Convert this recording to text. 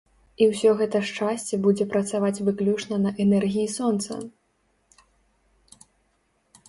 І ўсё гэта шчасце будзе працаваць выключна на энергіі сонца!